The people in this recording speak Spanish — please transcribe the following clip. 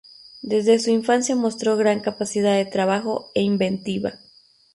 Desde su infancia mostró gran capacidad de trabajo e inventiva.